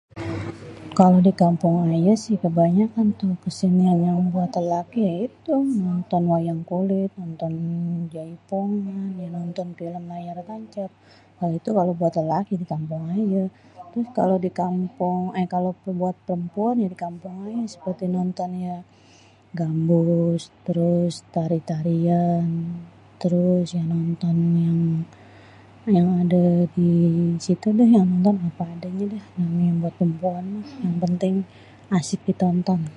kalo di kampung ayê sih kebanyakan tu kesenian yang buat lelaki ya itu.. nonton wayang kulit, nonton jaipongan, nonton pilêm layar tancêp.. itu buat lelaki kalo di kampung ayê.. terus kalo buat perempuan di kampung ayê seperti nonton gambus, terus tari-tarian, terus nonton yang ada di situ dêh.. nonton yang apa adanya buat perempuan mah.. yang penting asik ditonton..